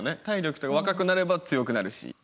体力とか若くなれば強くなるし。